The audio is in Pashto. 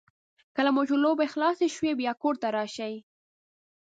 کله مو چې لوبې خلاصې شوې بیا کور ته راشئ.